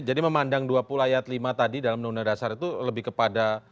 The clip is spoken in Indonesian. jadi memandang dua pulaiat lima tadi dalam undang undang dasar itu lebih kepada